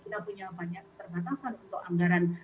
kita punya banyak keterbatasan untuk anggaran